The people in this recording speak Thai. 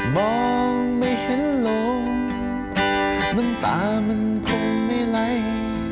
มองไม่เห็นลมน้ำตามันคงไม่ไหล